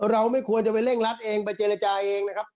เราไม่ควรจะไปเร่งรัดเองไปเจรจาเองนะครับ